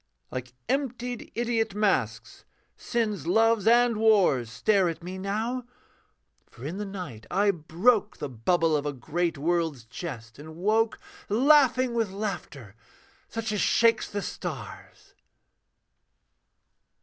Like emptied idiot masks, sin's loves and wars Stare at me now: for in the night I broke The bubble of a great world's jest, and woke Laughing with laughter such as shakes the stars.